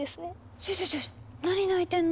ちょちょちょ何泣いてんの？